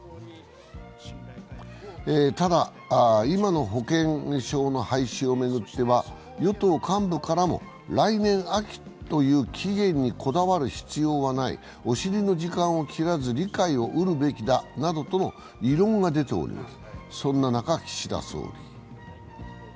ただ、今の保険証の廃止を巡ってはは与党幹部からも来年秋という期限にこだわる必要はない、お尻の時間を切らず、理解を得るべきだなどとも異論が出ております。